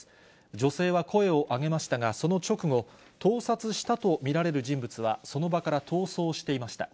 女性は声を上げましたが、その直後、盗撮したと見られる人物は、その場から逃走していました。